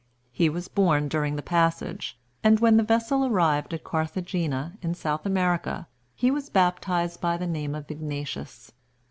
He was born during the passage, and when the vessel arrived at Carthagena, in South America, he was baptized by the name of Ignatius.